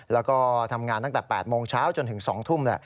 แล้วก็ทำงานตั้งแต่๘โมงเช้าจนถึง๒ทุ่ม